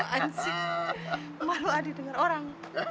anzi malu adi dengar orang